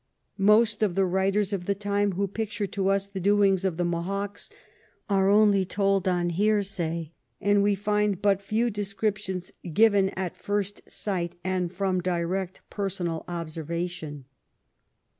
Most of the writers of the time who picture to us the doings of the Mo hocks are only told on hearsay, and we find but few descriptions given at first sight, and from direct per sonal observation.